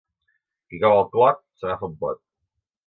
Qui cau al clot, s'agafa on pot.